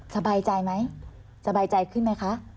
สบายใจไหมสบายใจขึ้นไหมคะ